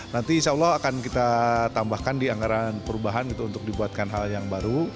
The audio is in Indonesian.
nanti insya allah akan kita tambahkan di anggaran perubahan untuk dibuatkan hal yang baru